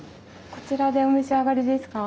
こちらでお召し上がりですか？